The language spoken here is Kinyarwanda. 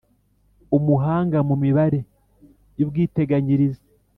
Umuhanga mu mibare y ubwiteganyirize